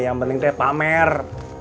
yang penting itu pamer